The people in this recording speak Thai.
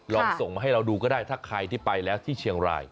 ลองส่งมาให้เราดูก็ได้ถ้าใครที่ไปแล้วที่เชียงราย